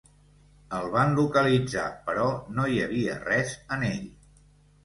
El van localitzar però no hi havia res en ell.